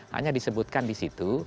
hanya disebutkan disitu